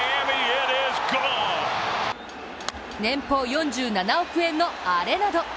年俸４７億円のアレナド。